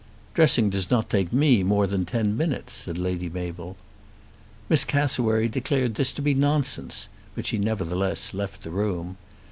"Dressing does not take me more than ten minutes," said Lady Mabel. Miss Cassewary declared this to be nonsense, but she nevertheless left the room.